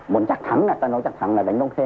muốn chắc thắng là tôi nói chắc thắng là đánh đông khê